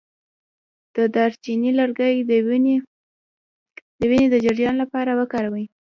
د دارچینی لرګی د وینې د جریان لپاره وکاروئ